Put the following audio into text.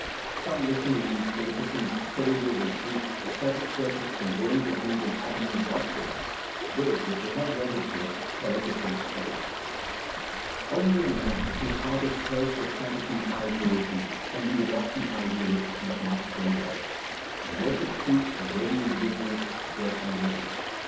Some missionaries, politicians, soldiers, and priests of several churches from Rome to Huntington Avenue, Boston, will, if they have read his works, tell a different story. Only a man whose heart is purged of counterfeit idealism can be the lofty idealist that Mark Twain was. He wor shipped truth and worthy individuals dead and living.